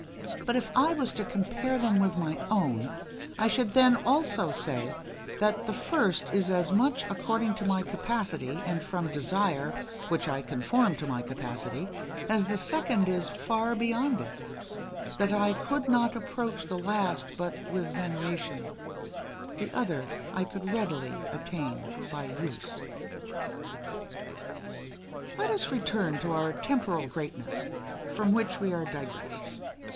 ] But if I was to compare them with my own, I should then also say that the first is as much according to my capacity, and from desire, which I conform to my capacity, as the second is far beyond it; that I could not approach the last but with veneration, the other I could readily attain by use. Let us return to our temporal greatness, from which we are digressed.